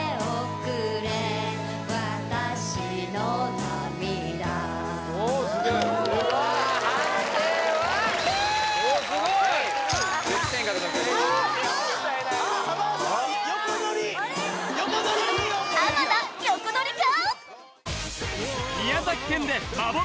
これ浜田横取りか！？